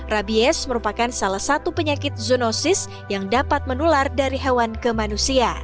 rabies merupakan salah satu penyakit zoonosis yang dapat menular dari hewan ke manusia